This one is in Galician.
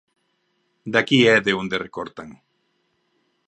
De aquí é de onde recortan.